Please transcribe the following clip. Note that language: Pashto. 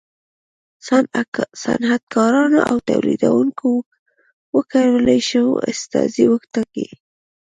صنعتکارانو او تولیدوونکو و کولای شول استازي وټاکي.